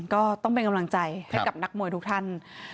ก็ต้องเป็นกำลังใจให้กับนักมวยทุกท่าน